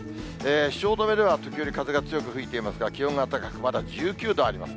汐留では時折風が強く吹いていますが、気温は高く、まだ１９度あります。